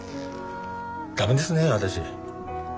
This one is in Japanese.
駄目ですね私。